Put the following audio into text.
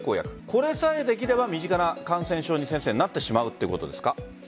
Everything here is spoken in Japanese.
これさえできれば身近な感染症になってしまうということですか？